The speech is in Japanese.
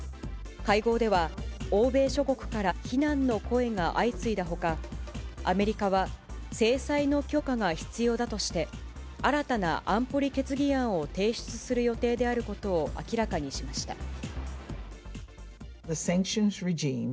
会合では、欧米諸国から非難の声が相次いだほか、アメリカは、制裁の強化が必要だとして、新たな安保理決議案を提出する予定であることを明らかにしました。